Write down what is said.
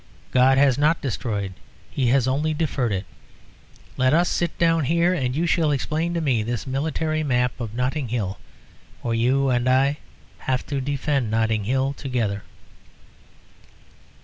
God has not destroyed, He has only deferred it. Let us sit down here, and you shall explain to me this military map of Notting Hill. For you and I have to defend Notting Hill together."